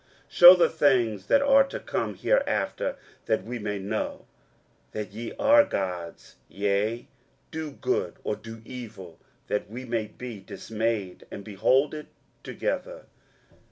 23:041:023 Shew the things that are to come hereafter, that we may know that ye are gods: yea, do good, or do evil, that we may be dismayed, and behold it together.